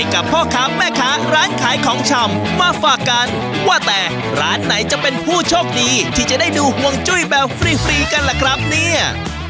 กับพ่อค้าแม่ค้าร้านขายของชำมาฝากกันว่าแต่ร้านไหนจะเป็นผู้โชคดีที่จะได้ดูห่วงจุ้ยแบบฟรีฟรีกันล่ะครับเนี่ย